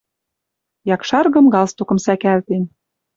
Якшаргым галстукым сӓкӓлтен.